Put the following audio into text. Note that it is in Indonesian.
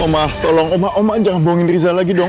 omah tolong omah omah jangan bohongin riza lagi dong